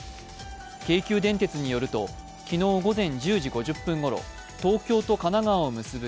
京急電鉄によると昨日午前１０時５０分ごろ東京と神奈川を結ぶ